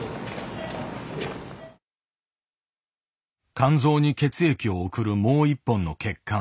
肝臓に血液を送るもう一本の血管。